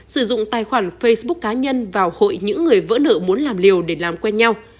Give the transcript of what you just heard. sử dụng tài khoản facebook cá nhân vào hội những người vỡ nợ muốn làm liều để làm quen nhau